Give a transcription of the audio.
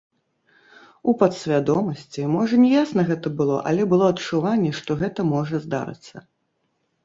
У падсвядомасці, можа не ясна гэта было, але было адчуванне, што гэта можа здарыцца.